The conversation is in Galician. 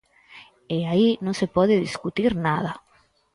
E aí non se pode discutir nada.